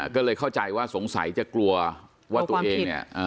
ก็เลยเข้าใจว่าสงสัยจะกลัวว่าตัวเองเนี่ย